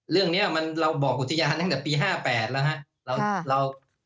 เรื่องนี้เราบอกอุทยานตั้งแต่ปี๕๘แล้วครับ